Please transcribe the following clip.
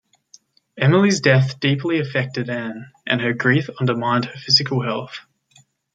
Emily's death deeply affected Anne, and her grief undermined her physical health.